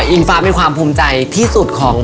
อิงฟ้ามีความภูมิได้ยังไง